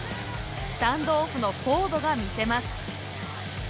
スタンドオフのフォードが見せます。